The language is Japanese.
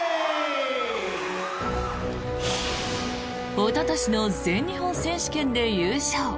おととしの全日本選手権で優勝。